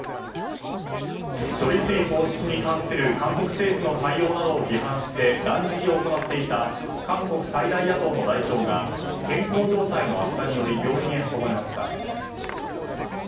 処理水放出に対する韓国政府の対応などを批判して断食を行っていた韓国最大野党の代表が健康状態の悪化により病院へ運ばれました。